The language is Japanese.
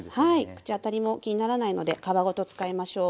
口当たりも気にならないので皮ごと使いましょう。